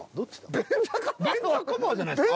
便座カバーじゃないですか？